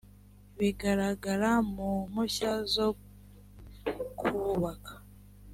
bigaragara mu mpushya zo kubaka